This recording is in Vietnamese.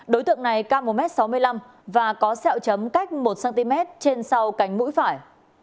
đối tượng này cao một m sáu mươi năm và có sẹo chấm cách một cm trên sau cánh mũi phải